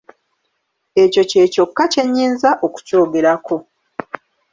Ekyo kye kyokka kye nnyinza okukyogerako.